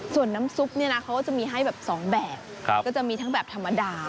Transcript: ส่วนน้ำซุปเนี่ยนะเขาก็จะมีให้แบบ๒แบบก็จะมีทั้งแบบธรรมดา